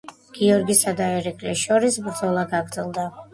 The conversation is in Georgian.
გიორგისა და ერეკლეს შორის ბრძოლა გაგრძელდა.